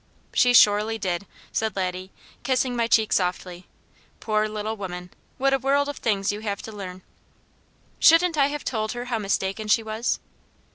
"She surely did," said Laddie, kissing my cheek softly. "Poor little woman! What a world of things you have to learn!" "Shouldn't I have told her how mistaken she was?"